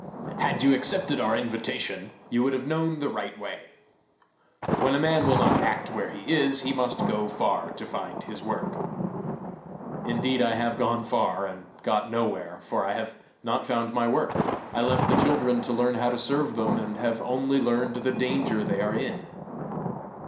"Had you accepted our invitation, you would have known the right way. When a man will not act where he is, he must go far to find his work." "Indeed I have gone far, and got nowhere, for I have not found my work! I left the children to learn how to serve them, and have only learned the danger they are in."